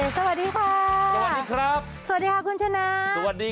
จังห์ดีครับจังห์ดี